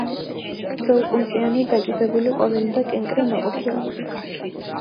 გრძელყუნწიანი დაკიდებული ყვავილი და კენკრა ნაყოფი აქვთ.